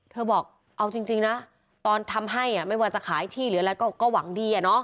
เธอบอกเอาจริงจริงนะตอนทำให้อ่ะไม่ว่าจะขายที่หรืออะไรก็ก็หวังดีอ่ะเนอะ